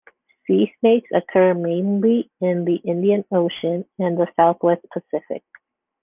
Sea snakes occur mainly in the Indian Ocean and the southwest Pacific.